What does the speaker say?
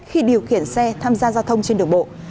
khi điều khiển xe tham gia giao thông trên đường bộ